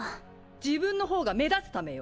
自分のほうが目立つためよ。